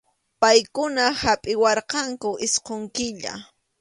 Paykuna hapʼiwarqanku isqun killa.